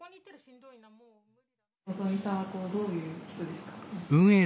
のぞみさんはどういう人ですか？